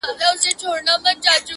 ستا د غېږي یو ارمان مي را پوره کړه,